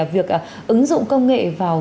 việc ứng dụng công nghệ vào